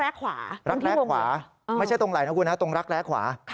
รักแร้ขวาตรงที่ประวัติรักแร้ขวาไม่ใช่ตรงไหลนกูนะตรงรักแร้ขวา